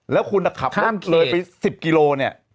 แล้วคุณนักขับไป๑๐กิโลกรัม